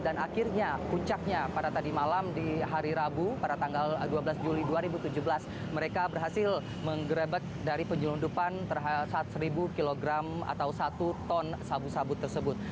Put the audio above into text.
dan akhirnya puncaknya pada tadi malam di hari rabu pada tanggal dua belas juli dua ribu tujuh belas mereka berhasil menggerebek dari penjelundupan saat seribu kg atau satu ton sabu sabu tersebut